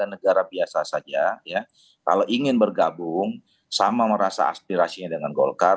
negara biasa saja ya kalau ingin bergabung sama merasa aspirasinya dengan golkar